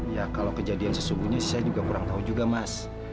ya kalau kejadian sesungguhnya saya juga kurang tahu juga mas